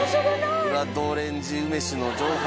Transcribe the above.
ブラッドオレンジ梅酒の情報